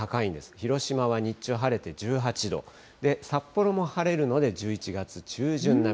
広島は日中晴れて１８度、札幌も晴れるので１１月中旬並み。